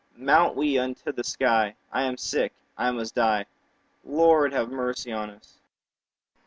Mount we unto the sky; 40 I am sick, I must die— Lord, have mercy on us!